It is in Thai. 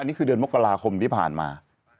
นี่คือเดือนมกราคมที่ผ่านมา